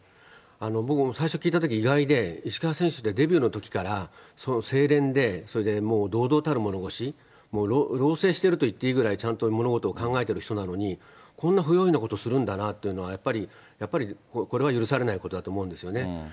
僕も最初聞いたとき意外で、石川選手ってデビューのときから清廉で、それでもう堂々たる物腰、老成しているといっていいぐらいちゃんと物事を考えている人なのに、こんな不用意なことするんだなというのは、やっぱりこれは許されないことだと思うんですよね。